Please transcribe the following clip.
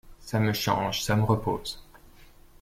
Ça me change, ça me repose.